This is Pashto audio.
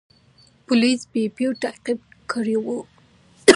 پولیسو بیپو تعقیب کړی و.